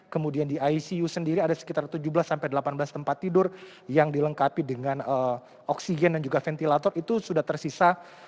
kemudian di icu sendiri ada sekitar tujuh belas sampai delapan belas tempat tidur yang dilengkapi dengan oksigen dan juga ventilator itu sudah tersisa